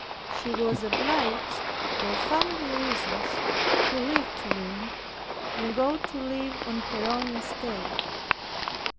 She was obliged for family reasons to leave Turin, and go to live on her own estate.